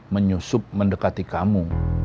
menyusup mendekati kamu